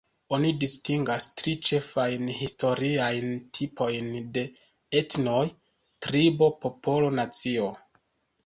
Oni distingas tri ĉefajn historiajn tipojn de etnoj: tribo, popolo, nacio.